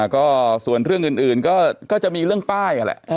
ก็ส่วนเรื่องอื่นก็จะมีเรื่องป้าย